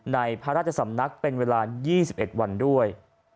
ในพระราชสำนักเป็นเวลา๒๑วันด้วย